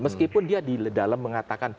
meskipun dia di dalam mengatakan